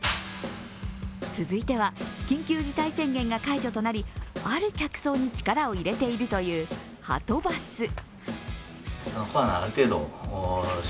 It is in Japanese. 続いては緊急事態宣言が解除となりある客層に力を入れているというはとバス。